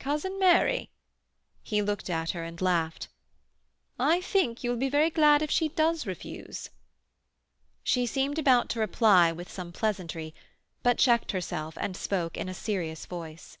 "Cousin Mary"—he looked at her and laughed—"I think you will be very glad if she does refuse." She seemed about to reply with some pleasantry, but checked herself, and spoke in a serious voice.